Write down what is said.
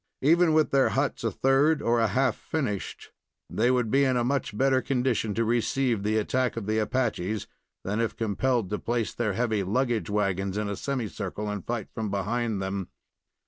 Even with their huts a third or a half finished, they would be in a much better condition to receive the attack of the Apaches than if compelled to place their heavy luggage wagons in a semi circle and fight from behind them.